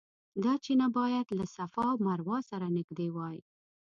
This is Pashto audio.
دا چینه باید له صفا او مروه سره نږدې وای.